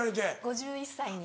５１歳に。